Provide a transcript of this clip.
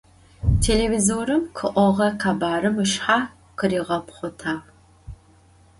Телевизорым къыӏогъэ къэбарым ышъхьэ къыригъэпхъотагъ.